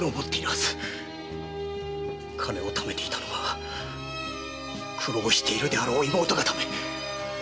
金を貯めていたのは苦労しているであろう妹がため。